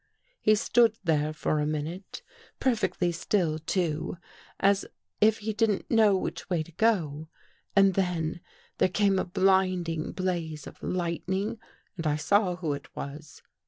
" He stood there for a minute, perfectly still, too, as of he didn't know which way to go. And then there came a blinding blaze of lightning and I saw who it was.